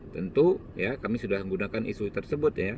tentu kami sudah menggunakan isu tersebut